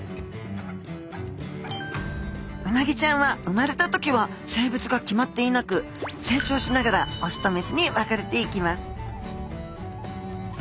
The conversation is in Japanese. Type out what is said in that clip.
うなぎちゃんは生まれた時は性別が決まっていなく成長しながら雄と雌に分かれていきます